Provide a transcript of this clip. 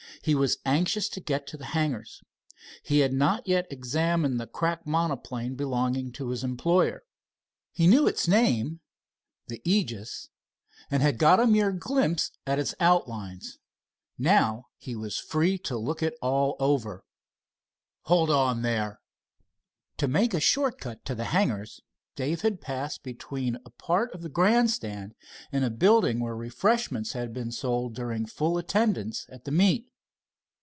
He was anxious to get to the hangars. He had not yet examined the crack monoplane belonging to his employer. He knew its name, the Aegis, and had got a mere glimpse at its outlines. Now he was free to look it all over. "Hold on there!" To make a short cut to the hangars, Dave had passed between a part of the grandstand and a building where refreshments had been sold during full attendance at the meet.